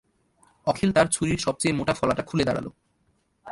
অখিল তার ছুরির সব-চেয়ে মোটা ফলাটা খুলে দাঁড়াল।